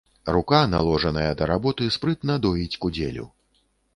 Рука, наложаная да работы, спрытна доіць кудзелю.